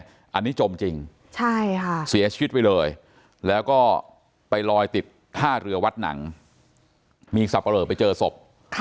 อันนี้จมจริงใช่ค่ะเสียชีวิตไปเลยแล้วก็ไปลอยติดท่าเรือวัดหนังมีสับปะเหลอไปเจอศพ